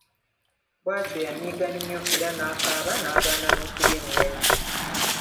Bw'atyo yanyiiga nnyo era nakaaba nagana n'okulya emmere.